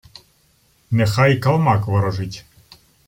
— Нехай калмак ворожить.